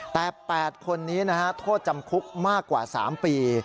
แต่๘คนนี้นะฮะโทษจำคุกมากกว่า๓ปี